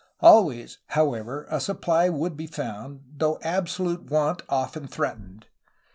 ^' Always, however, a supply would be found, though absolute want often threatened.